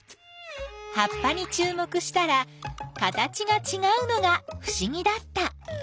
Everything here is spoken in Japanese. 葉っぱにちゅう目したら形がちがうのがふしぎだった。